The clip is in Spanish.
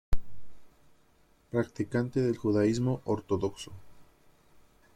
Practicante del judaísmo ortodoxo.